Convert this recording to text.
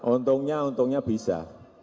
untungnya untungnya bisa